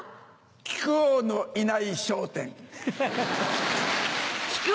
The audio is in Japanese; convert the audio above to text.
木久扇のいない『笑点』。